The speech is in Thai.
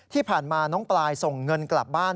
ที่ผ่านมาน้องปลายส่งเงินกลับบ้าน